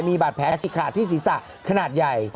มีบาดแผลฉีกขาดที่ศีรษะขนาดใหญ่